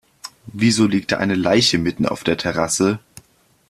Wieso liegt da eine Leiche mitten auf der Terrasse?